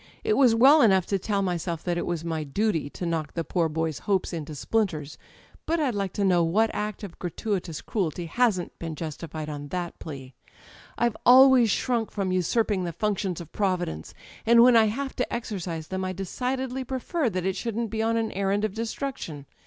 It was well enough to tell myself that it was my duty to knock the poor boy's hopes into splinters â€" but I'd like to know what act of gratuitous cruelty hasn't been justified on that plea ? I've always shrunk from usurping the functions of Providence, and when I have to exer cise them I decidedly prefer that it shouldn't be on an errand of destruction.